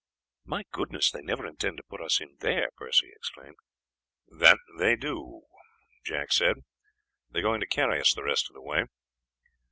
"My goodness! they never intend to put us in there," Percy exclaimed. "That they do," Jack said. "They are going to carry us the rest of the way."